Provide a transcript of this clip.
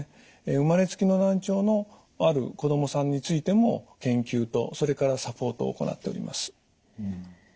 生まれつきの難聴のある子供さんについても研究とそれからサポートを行っております。